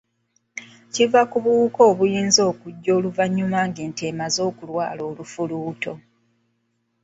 Kiva ku buwuka obuyinza okujja oluvannyuma ng’ente emaze okulwala olufuluuto.